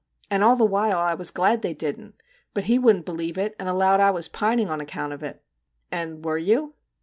And all the while I was glad they didn't, but he wouldn't believe it, and allowed I was pining on account of it.' ' And were you